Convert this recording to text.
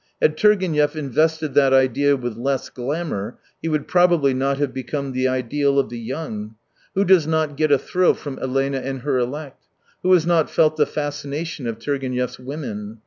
Had Turgenev invested that idea with less glamour, he would probably not have become the ideal of the young. Who does not get a thrill from Elena and her elect ? Who has not felt the fascination of Turgenev's women